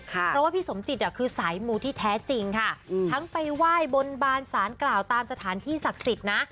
เพราะว่าพี่สมจิตคือสายมูที่แท้จริงค่ะทั้งไปไหว้บนบานสารกล่าวตามสถานที่ศักดิ์สิทธิ์นะ